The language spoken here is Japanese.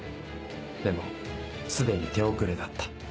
でも既に手遅れだった。